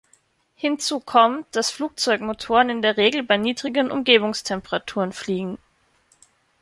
Hinzu kommt, dass Flugzeugmotoren in der Regel bei niedrigeren Umgebungstemperaturen fliegen.